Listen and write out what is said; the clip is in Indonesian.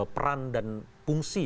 peran dan fungsi